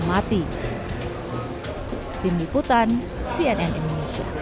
mati tim liputan cnnmu